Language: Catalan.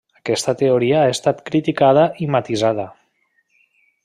Aquesta teoria ha estat criticada i matisada.